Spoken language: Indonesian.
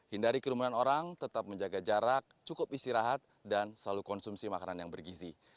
hindari kerumunan orang tetap menjaga jarak cukup istirahat dan selalu konsumsi makanan yang bergizi